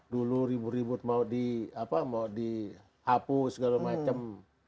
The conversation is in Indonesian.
dulu ribut ribut mau di apa mau dihapus segala macam